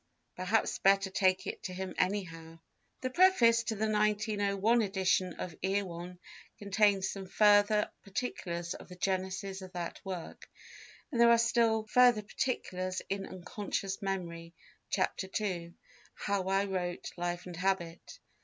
Perhaps better take it to him anyhow." The preface to the 1901 edition of Erewhon contains some further particulars of the genesis of that work, and there are still further particulars in Unconscious Memory, Chapter II, "How I wrote Life and Habit."